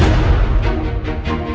aku mau pergi